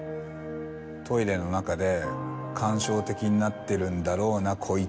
「トイレの中で感傷的になってるんだろうなこいつ」。